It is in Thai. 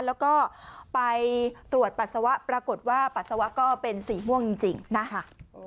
แล้วก็ไปตรวจปัสสาวะปรากฏว่าปัสสาวะก็เป็นสีม่วงจริงนะคะ